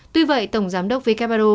tuy vậy tổng giám đốc vicabarro